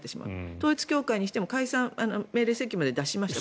統一教会にしても解散命令請求まで出しました。